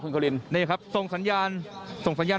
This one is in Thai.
พอจะจับจัดความได้นะครับคุณคริน